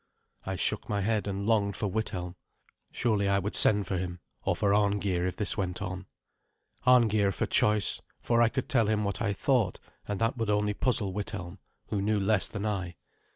I shook my head, and longed for Withelm. Surely I would send for him, or for Arngeir, if this went on. Arngeir for choice, for I could tell him what I thought; and that would only puzzle Withelm, who knew less than I.